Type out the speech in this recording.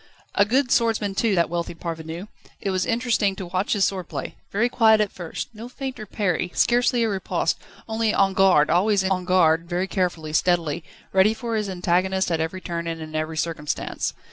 A good swordsman too, that wealthy parvenu. It was interesting to watch his sword play: very quiet at first, no feint or parry, scarcely a riposte, only en garde, always en garde very carefully, steadily, ready for his antagonist at every turn and in every circumstance.